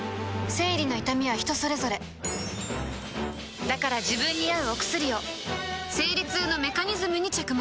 生理の痛みは人それぞれだから自分に合うお薬を生理痛のメカニズムに着目